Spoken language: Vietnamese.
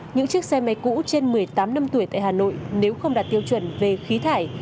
những chiếc xe máy cũ trên một mươi tám năm tuổi tại hà nội nếu không đạt tiêu chuẩn về khí thải